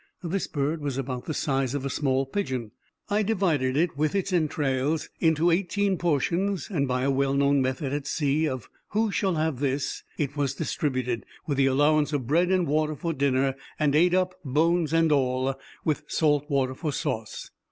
This bird was about the size of a small pigeon. I divided it, with its entrails, into eighteen portions, and by a well known method at sea, of "Who shall have this?" it was distributed, with the allowance of bread and water for dinner, and ate up, bones and all, with salt water for sauce.